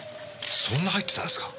そんな入ってたんですか？